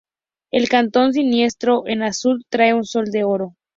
El cantón siniestro en azul trae un sol de oro.